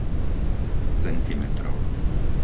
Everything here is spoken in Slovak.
centimetrov